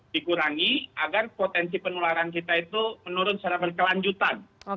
dikurangi agar potensi penularan kita itu menurun secara berkelanjutan